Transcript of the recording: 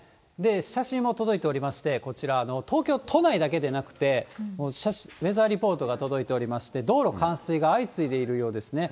写真も届いておりまして、こちら、東京都内だけでなくって、ウェザーリポートが届いておりまして、道路冠水が相次いでいるようですね。